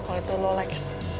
kalau itu lo lex